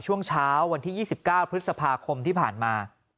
ช่วงเช้าวันที่๒๙พฤษภาคมที่ผ่านมา